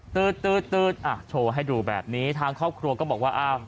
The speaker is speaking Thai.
ตื๊ดอ่ะโชว์ให้ดูแบบนี้ทางครอบครัวก็บอกว่าอ้าว